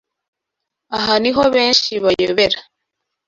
Aha niho benshi bayobera